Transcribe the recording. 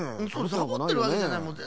サボってるわけじゃないもん。